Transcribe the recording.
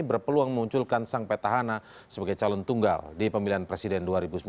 berpeluang memunculkan sang petahana sebagai calon tunggal di pemilihan presiden dua ribu sembilan belas